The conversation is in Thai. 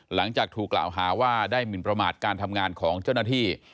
หลังจากถูกกล่าวหาว่าได้หมินประมาทการทำงานของเจ้าหน้าที่